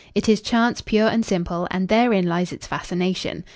It is chance pure and simple, and therein lies its fascination.